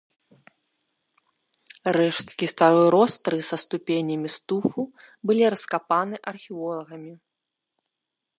Рэшткі старой ростры са ступенямі з туфу былі раскапаны археолагамі.